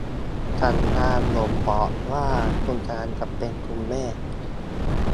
สัญญาณบ่งบอกว่าคุณกำลังจะเป็นคุณแม่